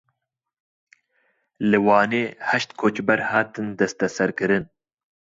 Li Wanê heşt koçber hatin desteserkirin.